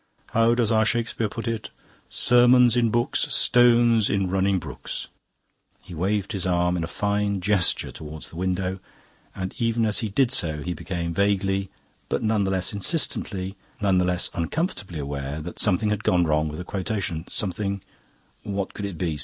How does our Shakespeare put it? 'Sermons in books, stones in the running brooks.'" He waved his arm in a fine gesture towards the window, and even as he did so he became vaguely, but none the less insistently, none the less uncomfortably aware that something had gone wrong with the quotation. Something what could it be?